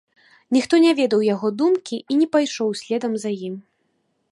Ніхто не ведаў яго думкі і не пайшоў следам за ім.